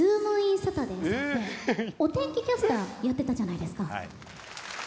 サタデーさんでお天気キャスターをやってたじゃないですか。